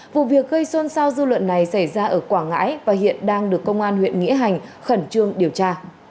vụ việc gây xôn xao dư luận này xảy ra ở quảng ngãi và hiện đang được công an huyện nghĩa hành khẩn trương điều tra